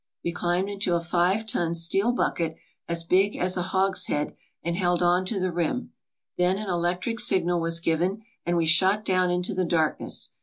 We climbed into a five ton steel bucket as big as a hogs head and held on to the rim. Then an electric signal was given and we shot down into the darkness.